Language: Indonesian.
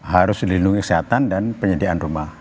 harus dilindungi kesehatan dan penyediaan rumah